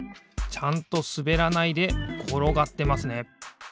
ちゃんとすべらないでころがってますね。